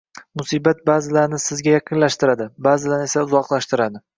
Musibat ba’zilarni sizga yaqinlashtiradi, ba’zilarni esa uzoqlashtiradi.